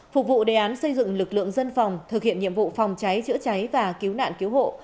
phục vụ đề án xây dựng lực lượng dân phòng thực hiện nhiệm vụ phòng cháy chữa cháy và cứu nạn cứu hộ